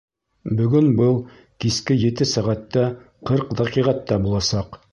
Бөгөн был киске ете сәғәт тә ҡырҡ дәҡиғәттә буласаҡ.